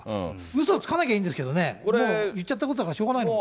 うそつかなきゃいいんですけどね、もう言っちゃったことだからしょうがないの？